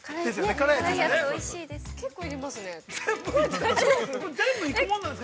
◆辛いやつ、おいしいです。